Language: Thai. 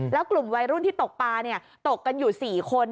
แล้วกลุ่มวัยรุ่นที่ตกปลาตกกันอยู่๔คน